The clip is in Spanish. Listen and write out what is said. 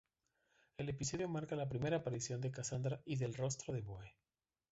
El episodio marca la primera aparición de Cassandra y del Rostro de Boe.